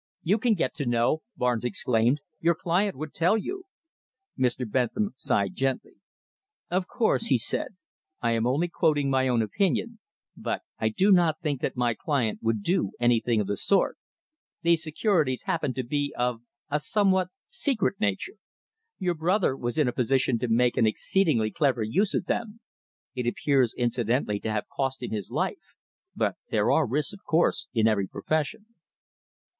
"You can get to know," Barnes exclaimed. "Your client would tell you." Mr. Bentham sighed gently. "Of course," he said, "I am only quoting my own opinion, but I do not think that my client would do anything of the sort. These securities happen to be of a somewhat secret nature. Your brother was in a position to make an exceedingly clever use of them. It appears incidentally to have cost him his life, but there are risks, of course, in every profession."